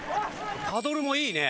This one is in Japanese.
パドルもいいね。